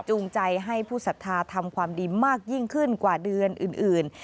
ใจให้ผู้ศรัทธาทำความดีมากยิ่งขึ้นกว่าเดือนอื่น